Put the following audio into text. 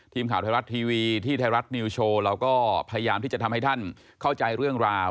ทีมข่าวไทยรัฐทีวีที่ไทยรัฐนิวโชว์เราก็พยายามที่จะทำให้ท่านเข้าใจเรื่องราว